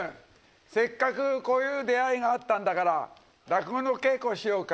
せっかくこういう出会いがあったんだから落語の稽古しようか。